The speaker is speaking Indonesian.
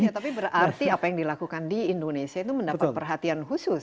tapi berarti apa yang dilakukan di indonesia itu mendapat perhatian khusus